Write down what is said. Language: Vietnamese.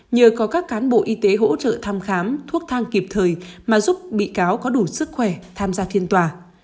nhờ có các cán bộ y tế hỗ trợ thăm khám thuốc thang kịp thời mà giúp bị cáo có đủ sức khỏe tham gia phiên tòa